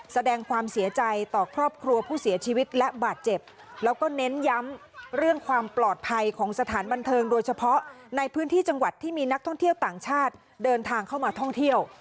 แสดงความเสียใจต่อครอบครัวผู้เสียชีวิตและบาดเจ็บแล้วก็เน้นย้ำเรื่องความปลอดภัยของสถานบันเทิงโดยเฉพาะในพื้นที่จังหวัดที่มีนักท่องเที่ยวต่างชาติเดินทางเข้ามาท่องเที่ยว